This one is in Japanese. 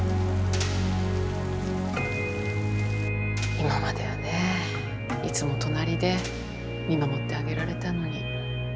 今まではね、いつも隣りで見守ってあげられたのに。